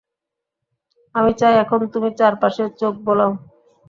আমি চাই এখন তুমি চারপাশে চোখ বোলাও।